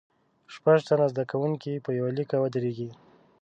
شپږ تنه زده کوونکي په یوه لیکه ودریږئ.